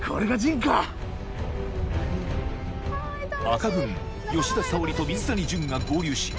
赤軍吉田沙保里と水谷隼が合流し